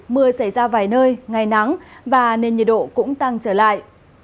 mưa xảy ra vài nơi ngày nắng và nên nhiệt độ cũng tăng trở lại